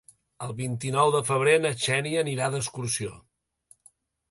El vint-i-nou de febrer na Xènia anirà d'excursió.